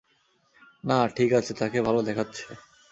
না - ঠিক আছে তাকে ভালো দেখাচ্ছে?